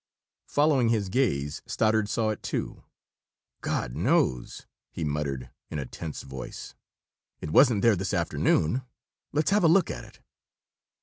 Following his gaze, Stoddard saw it too. "God knows!" he muttered, in a tense voice. "It wasn't there this afternoon. Let's have a look at it."